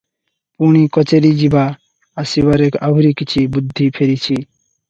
ପୁଣି କଚେରି ଯିବା ଆସିବାରେ ଆହୁରି କିଛି ବୁଦ୍ଧି ଫେରିଛି ।